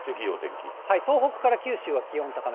東北から九州は気温高め。